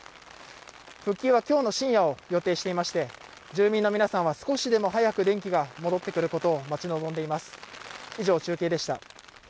復旧は今日の深夜を予定していまして、住人の皆さんは少しでも早く電気が戻ってくることを待ち望んでいます。